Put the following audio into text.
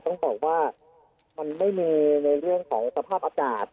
ต้องบอกว่ามันไม่มีในเรื่องของสภาพอากาศ